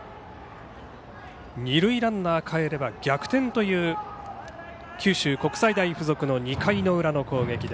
二塁ランナーがかえれば逆転という九州国際大付属の２回の裏の攻撃。